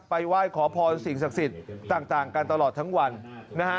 ไหว้ขอพรสิ่งศักดิ์สิทธิ์ต่างกันตลอดทั้งวันนะฮะ